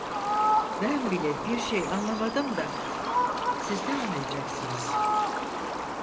Ben bile bir şey anlamadım da, siz ne anlayacaksınız?